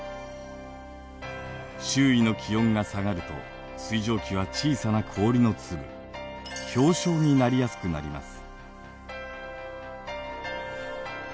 周囲の気温が下がると水蒸気は小さな氷の粒氷晶になりやすくなります。